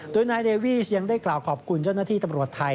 โดยนายเดวีสยังได้กล่าวขอบคุณเจ้าหน้าที่ตำรวจไทย